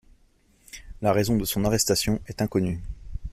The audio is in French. La raison de son arrestation est inconnue.